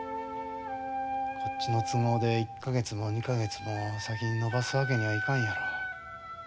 こっちの都合で１か月も２か月も先に延ばすわけにはいかんやろ。